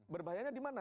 berbahayanya di mana